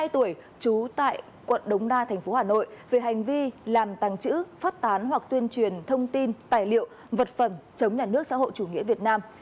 bốn mươi hai tuổi trú tại quận đống đa thành phố hà nội về hành vi làm tàng trữ phát tán hoặc tuyên truyền thông tin tài liệu vật phẩm chống nhà nước xã hội chủ nghĩa việt nam